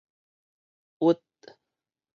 遹